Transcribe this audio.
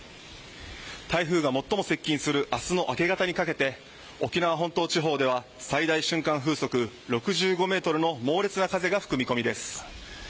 台風が最も接近する明日の明け方にかけて沖縄本島地方では最大瞬間風速６５メートルの猛烈な風が吹く見込みです。